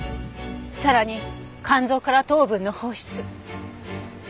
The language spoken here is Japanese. さらに肝臓から糖分の放出。